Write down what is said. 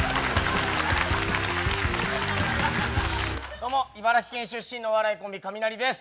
どうも茨城県出身のお笑いコンビカミナリです。